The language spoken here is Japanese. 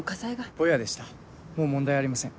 ボヤでしたもう問題ありません。